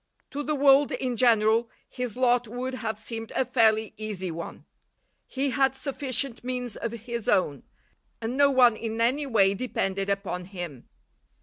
To the world in general his lot would have seemed a fairly easy one. He had sufficient means of his own; and no one in any way depended upon him.